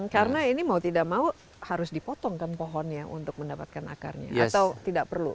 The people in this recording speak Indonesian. karena ini mau tidak mau harus dipotongkan pohonnya untuk mendapatkan akarnya atau tidak perlu